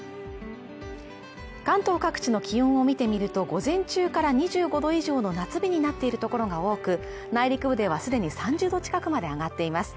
関東各地の気温を見てみると午前中から２５度以上の夏日になっているところが多く内陸部では既に３０度近くまで上がっています。